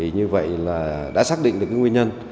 như vậy đã xác định được nguyên nhân